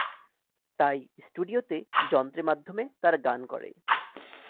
তাই স্টুডিওতে যন্ত্রে মাধ্যমে তারা গান করে।